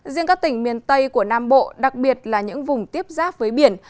riêng các tỉnh miền tây của nam bộ đặc biệt là những vùng tiếp giáp với biển